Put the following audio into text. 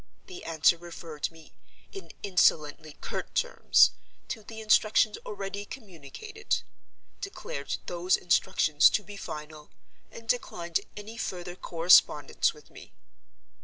The answer referred me, in insolently curt terms, to the instructions already communicated; declared those instructions to be final; and declined any further correspondence with me.